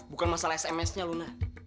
bukan masalah smsnya luna